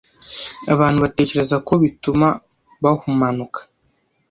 Abantu batekereza ko bituma bahumanuka